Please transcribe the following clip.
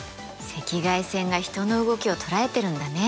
赤外線が人の動きを捉えてるんだね。